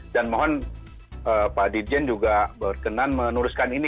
dan mohon pak dirjen juga berkenan menuruskan ini